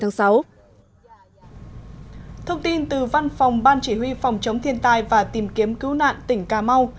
thông tin từ văn phòng ban chỉ huy phòng chống thiên tai và tìm kiếm cứu nạn tỉnh cà mau